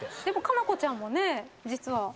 でも夏菜子ちゃんもね実は。